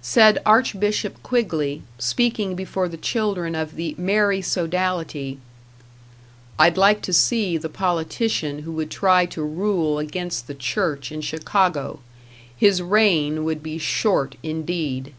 Said Archbishop Quigley, speaking before the children of the Mary Sodality: I'd like to see the politician who would try to rule against the church in Chicago. His reign would be short indeed.